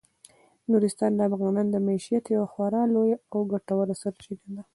نورستان د افغانانو د معیشت یوه خورا لویه او ګټوره سرچینه ده.